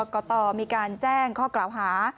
กตมีการแจ้งข้อกล่าวหา